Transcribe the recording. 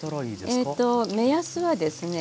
ええと目安はですね